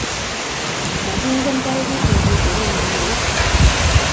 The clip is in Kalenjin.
makingen tarikit ne kicheru mbungeit